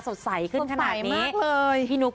ก็คิดว่าเกือบจะไม่ทันแล้วนะคะ